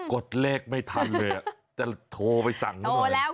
กดเลขไม่ทันเลยจะโทรไปสั่งปั๊บ